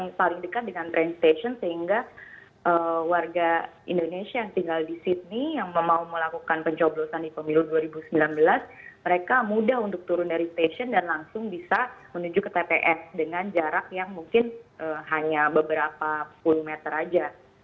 yang paling dekat dengan train station sehingga warga indonesia yang tinggal di sydney yang mau melakukan pencoblosan di pemilu dua ribu sembilan belas mereka mudah untuk turun dari stasiun dan langsung bisa menuju ke tps dengan jarak yang mungkin hanya beberapa puluh meter saja